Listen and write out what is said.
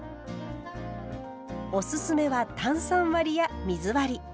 おすすめは炭酸割りや水割り。